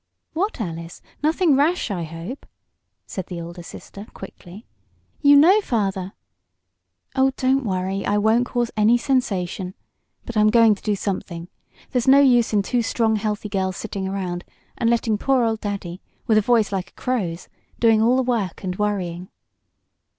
"What, Alice? Nothing rash, I hope," said the older sister, quickly. "You know father " "Oh, don't worry. I won't cause any sensation. But I'm going to do something. There's no use in two strong, healthy girls sitting around, and letting poor old daddy, with a voice like a crow's, doing all the work and worrying."